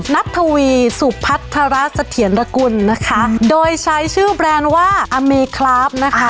ทวีสุพัฒระเสถียรกุลนะคะโดยใช้ชื่อแบรนด์ว่าอเมคลาฟนะคะ